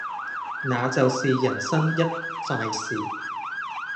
那就是人生一快事